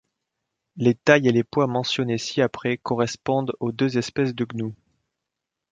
Les tailles et les poids mentionnés ci-après correspondent aux deux espèces de gnous.